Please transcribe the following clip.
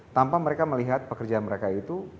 tanpa mereka melihat pekerjaan mereka itu